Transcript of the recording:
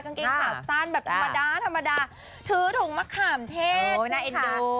กางเกงขาสั้นแบบธรรมดาธรรมดาถือถุงมะขามเทศนะคะ